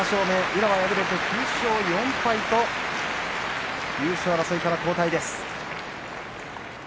宇良、９勝４敗と優勝争いから後退です。